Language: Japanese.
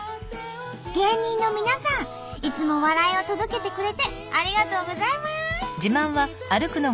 芸人の皆さんいつも笑いを届けてくれてありがとうございます！